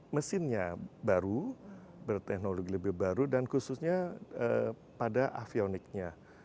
mesinnya baru berteknologi lebih baru dan khususnya pada avioniknya